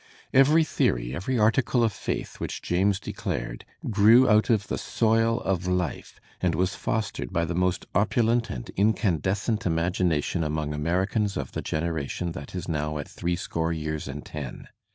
Every theory, every article of faith which James declared, grew out of the so3 of life and was fostered by the most opulent and incandescent imagination among Americans of the generation that is now at three score years and ten.